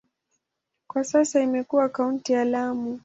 Kwa sasa imekuwa kaunti ya Lamu.